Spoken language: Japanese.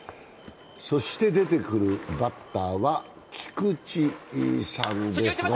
そして出てくるバッターは、菊池さんですが。